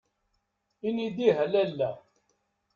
Ini-d ih a lalla.